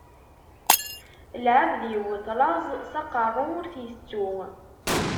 Lɛebd yewwet laẓ s aqeṛṛu, ur t-itettu.